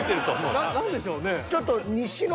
何でしょうね。